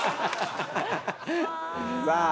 さあ